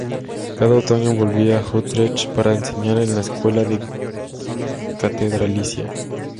Cada otoño volvía a Utrecht para enseñar en la escuela catedralicia.